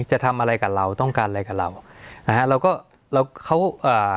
จะทำอะไรกับเราต้องการอะไรกับเรานะฮะเราก็เราเขาอ่า